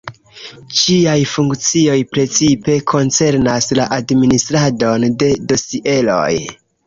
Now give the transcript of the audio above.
Ĝiaj funkcioj precipe koncernas la administradon de dosieroj.